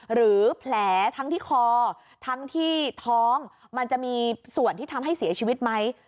หรือแผลทั้งที่คอทั้งที่ท้องมันจะมีส่วนที่ทำให้เสียชีวิตไหม